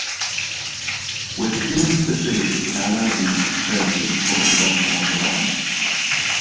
With human fertility, Ala is credited for the productivity of the land.